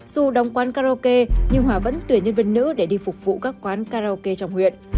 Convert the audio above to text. dù đóng quán karaoke nhưng hòa vẫn tuyển nhân viên nữ để đi phục vụ các quán karaoke trong huyện